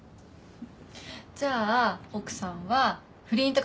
じゃあ奥さんは不倫とかしないんだ？